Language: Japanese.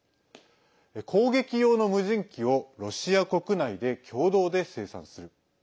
攻撃用の無人機をロシア国内で共同で生産する。